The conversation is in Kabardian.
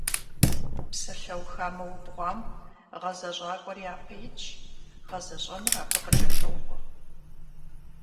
Псалъэуха мыубгъуам гъэзэщӏакӏуэр япэ итщ, гъэзэщӏэныр абы къыкӏэлъокӏуэ.